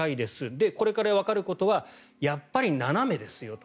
で、これからわかることはやっぱり斜めですよと。